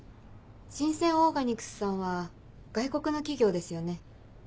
神饌オーガニクスさんは外国の企業ですよね。